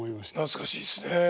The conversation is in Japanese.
懐かしいっすねえ。